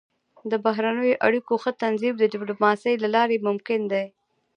د بهرنیو اړیکو ښه تنظیم د ډيپلوماسۍ له لارې ممکن دی.